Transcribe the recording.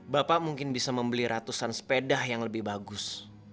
bapak mungkin bisa membeli ratusan sepeda yang lebih bagus